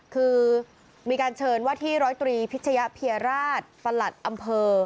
คือมีการเชิญว่าที่ร้อยตรีพิชยะเพียราชประหลัดอำเภอ